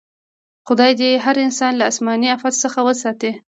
خدای دې هر انسان له اسماني افت څخه وساتي.